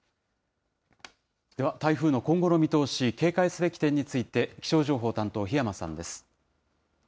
では台風の今後の見通し、警戒すべき点について、気象情報担当、檜山さんです。